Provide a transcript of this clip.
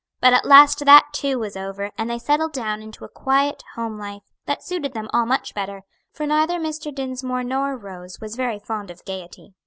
But at last that too was over, and they settled down into a quiet, home life, that suited them all much better, for neither Mr. Dinsmore nor Rose was very fond of gayety.